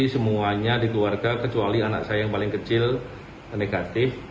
jadi semuanya di keluarga kecuali anak saya yang paling kecil negatif